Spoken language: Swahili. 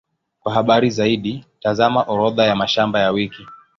Kwa habari zaidi, tazama Orodha ya mashamba ya wiki.